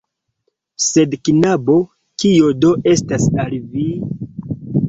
Sed knabo, kio do estas al vi...